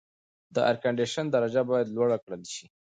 د اېرکنډیشن درجه باید لوړه کړل شي.